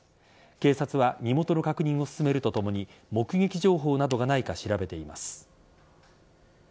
警察は身元の確認を進めるとともに目撃情報などがないか調べています。